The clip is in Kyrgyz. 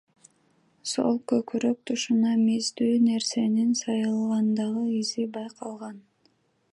Сол көкүрөк тушуна миздүү нерсенин сайылгандагы изи байкалган.